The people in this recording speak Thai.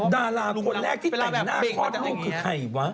ดาราคนแรกที่แต่งหน้าคลอดลูกคือใครวะ